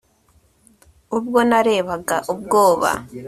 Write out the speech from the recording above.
ubwo narebaga ubwoba